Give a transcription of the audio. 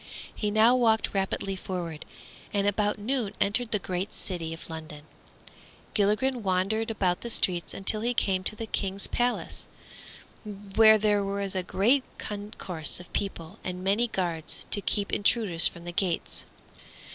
He now walked rapidly forward, and about noon entered the great city of London. Gilligren wandered about the streets until he came to the King's palace, where there was a great concourse of people and many guards to keep intruders from the gates.